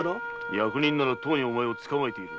役人ならとうにお前を捕まえている。